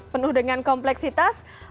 penuh dengan kompleksitas